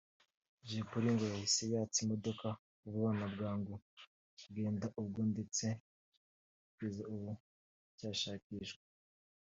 Jay Polly ngo yahise yatsa imodoka vuba na bwangu agenda ubwo ndetse kugeza ubu aracyashakishwa